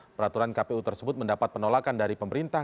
peraturan kpu tersebut mendapat penolakan dari pemerintah